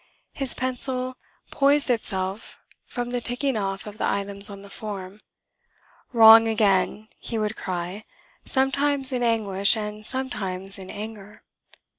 His pencil poised itself from the ticking off of the items on the form. "Wrong again!" he would cry, sometimes in anguish and sometimes in anger.